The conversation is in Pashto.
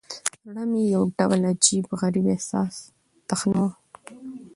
زړه مې يو ډول عجيب، غريب احساس تخنوه.